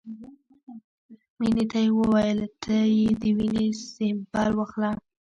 مينې ته يې وويل ته يې د وينې سېمپل واخله.